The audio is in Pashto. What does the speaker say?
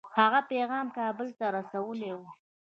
هغه پیغام کابل ته رسولی وو.